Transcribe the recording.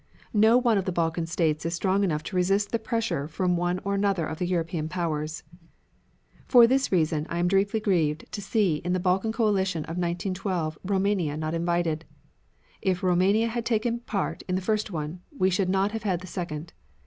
No one of the Balkan States is strong enough to resist the pressure from one or another of the European powers. "For this reason I am deeply grieved to see in the Balkan coalition of 1912 Roumania not invited. If Roumania had taken part in the first one, we should not have had the second.